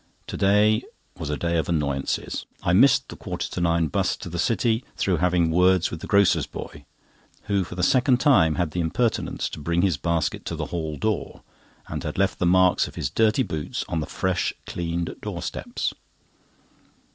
To day was a day of annoyances. I missed the quarter to nine 'bus to the City, through having words with the grocer's boy, who for the second time had the impertinence to bring his basket to the hall door, and had left the marks of his dirty boots on the fresh cleaned door steps.